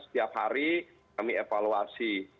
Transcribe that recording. setiap hari kami evaluasi